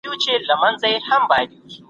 چي شهپر یې ځي تر عرشه افسانی سي رنګولای